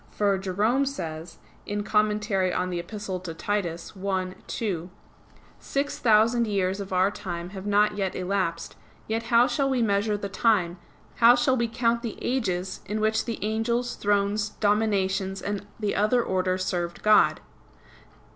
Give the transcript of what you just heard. For Jerome says (In Ep. ad Tit. i, 2): "Six thousand years of our time have not yet elapsed; yet how shall we measure the time, how shall we count the ages, in which the Angels, Thrones, Dominations, and the other orders served God?"